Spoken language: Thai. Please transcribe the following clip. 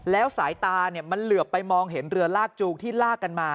แล้วสายตามันเหลือไปมองเห็นเรือลากจูงที่ลากกันมา